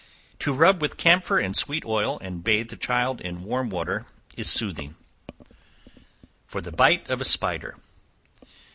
To rub with camphor and sweet oil, and bathe the child in warm water, is soothing. For the Bite of a Spider.